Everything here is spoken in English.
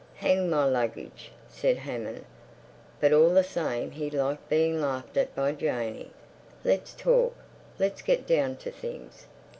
"Hang my luggage!" said Hammond; but all the same he liked being laughed at by Janey. "Let's talk. Let's get down to things.